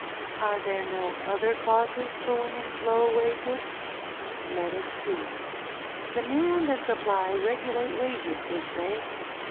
Are there no other causes for women's low wages? Let us see. Demand and Supply regulate wages, they say.